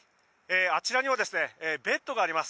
あちらにはベッドがあります。